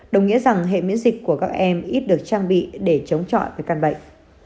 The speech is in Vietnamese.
đồng nghĩa rằng hệ miễn dịch của các em ít được trang bị để chống chọi với căn bệnh